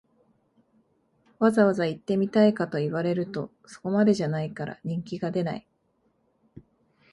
わざわざ行ってみたいかと言われると、そこまでじゃないから人気が出ない